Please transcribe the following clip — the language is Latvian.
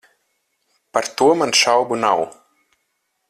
Par to man šaubu nav.